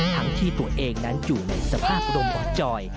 ทั้งที่ตัวเองนั้นอยู่ในสภาพอุดมบ่อจอย